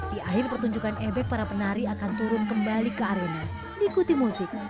di akhir pertunjukan ebek para penari akan turun kembali ke arena mengikuti musik